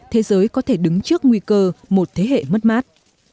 thế giới có thể đứng trước nguy cơ một thế hệ mất mát